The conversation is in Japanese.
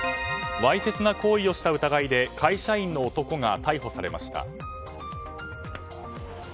わいせつな行為をした疑いで会社員の男が逮捕されました。